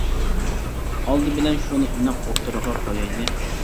ئالدى بىلەن شۇنى ئېنىق ئوتتۇرىغا قويايلى.